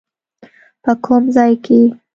په کوم ځای کې؟